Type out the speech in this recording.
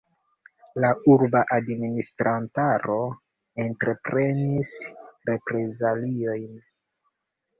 La urba administrantaro entreprenis reprezaliojn.